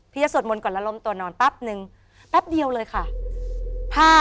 จะสวดมนต์ก่อนแล้วลมตัวนอนแป๊บนึงแป๊บเดียวเลยค่ะ